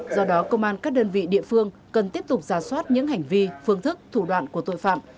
do đó công an các đơn vị địa phương cần tiếp tục ra soát những hành vi phương thức thủ đoạn của tội phạm